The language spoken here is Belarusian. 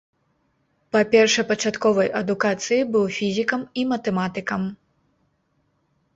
Па першапачатковай адукацыі быў фізікам і матэматыкам.